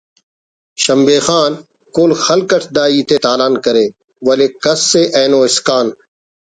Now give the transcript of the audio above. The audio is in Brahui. شمبے خان کل خلق اٹ دا ہیت ءِ تالان کرے ولے کس ءِ اینو اسکان